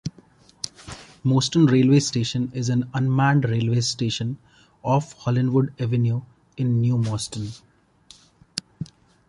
Moston railway station is an unmanned railway station off Hollinwood Avenue in New Moston.